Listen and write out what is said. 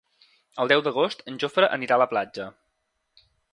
El deu d'agost en Jofre anirà a la platja.